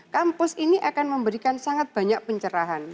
kampus ini akan memberikan sangat banyak pencerahan